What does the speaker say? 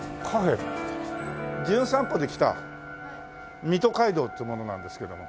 『じゅん散歩』で来た水戸街道っていう者なんですけども。